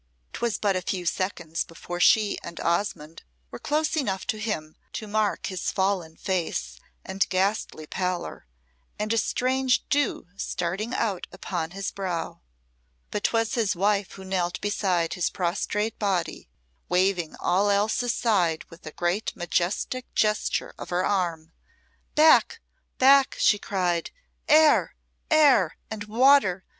'Twas but a few seconds before she and Osmonde were close enough to him to mark his fallen face and ghastly pallor, and a strange dew starting out upon his brow. But 'twas his wife who knelt beside his prostrate body, waving all else aside with a great majestic gesture of her arm. "Back! back!" she cried. "Air! air! and water!